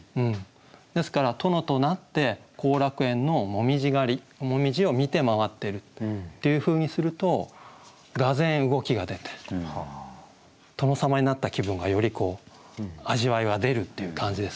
ですから殿となって後楽園の紅葉狩紅葉を見て回ってるっていうふうにするとがぜん動きが出て殿様になった気分がより味わいが出るっていう感じですかね。